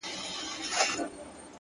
• لکه چرګ په ډېران مه وایه بانګونه ,